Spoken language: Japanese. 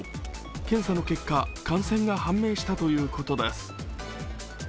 検査の結果、感染が判明したということです。